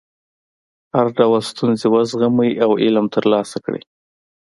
هر ډول ستونزې وزغمئ او علم ترلاسه کړئ.